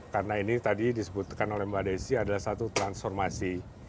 karena ini tadi disebutkan oleh mbak desi adalah satu transformasi